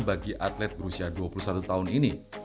bagi atlet berusia dua puluh satu tahun ini